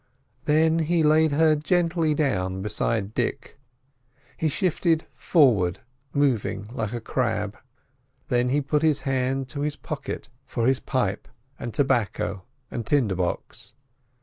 Then he laid her gently down beside Dick. He shifted forward, moving like a crab. Then he put his hand to his pocket for his pipe and tobacco and tinder box.